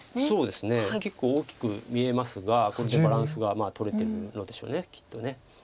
そうですね結構大きく見えますがこれでバランスがとれてるのでしょうきっと。